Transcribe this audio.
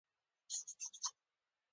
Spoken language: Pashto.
ګټه په تاوان کیږي متل د قربانۍ مانا لري